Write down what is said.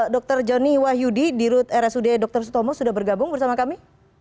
dr jonny wahyudi di rut rsud dr sutomo sudah bergabung bersama kami